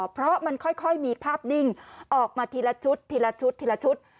เพราะมันค่อยมีภาพนิ่งออกมาทีละชุดทีละชุดทีละชุด